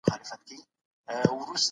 په فتاوی هنديه کي راغلي دي.